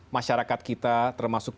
masyarakat kita termasuk